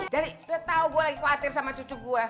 jadi dia tau gue lagi khawatir sama cucu gue